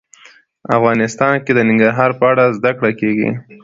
افغانستان کې د ننګرهار په اړه زده کړه کېږي.